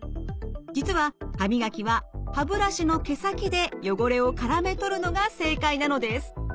実は歯磨きは歯ブラシの毛先で汚れをからめ取るのが正解なのです。